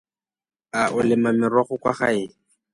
A o lema merogo kwa gae?